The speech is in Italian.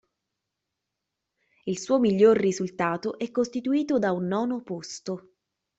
Il suo miglior risultato è costituito da un nono posto.